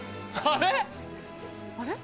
あれ？